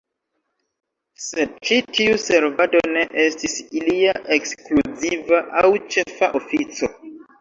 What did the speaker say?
Sed ĉi tiu servado ne estis ilia ekskluziva aŭ ĉefa ofico.